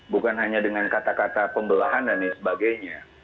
bukan hanya dengan kata kata pembelahan dan lain sebagainya